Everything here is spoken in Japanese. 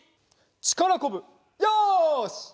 ちからこぶよし！